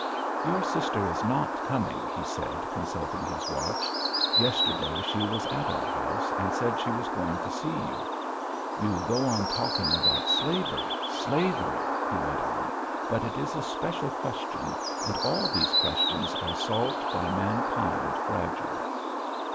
"Your sister is not coming," he said, consulting his watch. "Yesterday she was at our house and said she was going to see you. You go on talking about slavery, slavery," he went on, "but it is a special question, and all these questions are solved by mankind gradually."